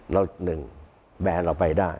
แล้วหนึ่งแบนเราไปได้